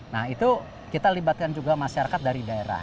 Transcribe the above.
nah itu kita libatkan juga masyarakat dari daerah